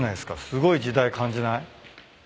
すごい時代感じない？